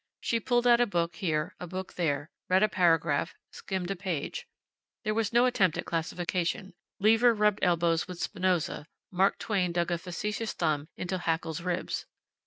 She pulled out a book here, a book there, read a paragraph, skimmed a page. There was no attempt at classification. Lever rubbed elbows with Spinoza; Mark Twain dug a facetious thumb into Haeckel's ribs.